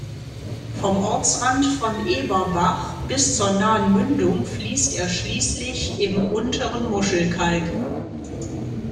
Vom Ortsrand von Eberbach bis zur nahen Mündung fließt er schließlich im Unteren Muschelkalk.